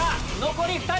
残り２人！